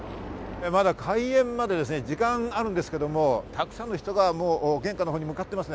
開園まで時間があるんですけれども、たくさんの人が玄関のほうに向かっています。